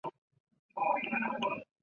妳可以去试试看